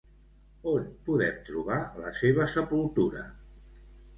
On podem trobar la seva sepultura?